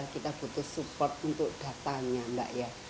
kita butuh support untuk datanya mbak ya